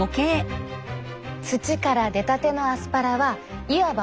土から出たてのアスパラはいわば幼い子供。